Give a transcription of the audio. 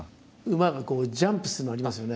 馬がジャンプするのありますよね。